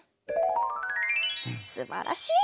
すばらしい！